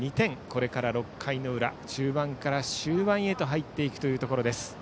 これから６回の裏中盤から終盤へと入っていくところです。